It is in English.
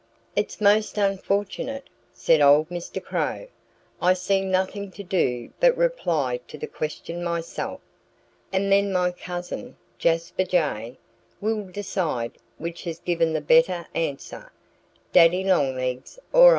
"It's most unfortunate," said old Mr. Crow. "I see nothing to do but reply to the question myself. And then my cousin, Jasper Jay, will decide which has given the better answer Daddy Longlegs or I."